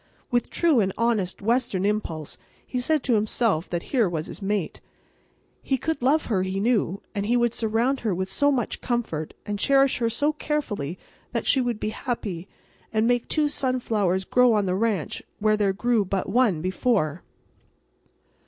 With true and honest Western impulse he said to himself that here was his mate. He could love her, he knew; and he would surround her with so much comfort, and cherish her so carefully that she would be happy, and make two sunflowers grow on the ranch where there grew but one before.